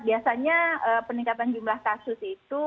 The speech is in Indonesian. biasanya peningkatan jumlah kasus itu